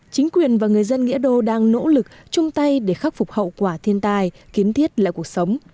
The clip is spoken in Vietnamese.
chính quyền và người dân nghĩa đô đang nỗ lực chung tay để khắc phục hậu quả thiên tai kiến thiết lại cuộc sống